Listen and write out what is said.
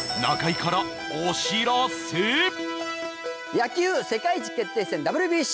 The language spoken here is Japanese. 野球世界一決定戦、ＷＢＣ